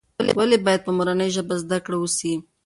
ولې باید په مورنۍ ژبه زده کړه وسي؟